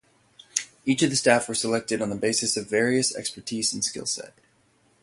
Each of the staff were selected on the basis of various expertise and skillset.